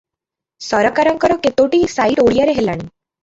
ସରକାରଙ୍କର କେତୋଟି ସାଇଟ ଓଡ଼ିଆରେ ହେଲାଣି ।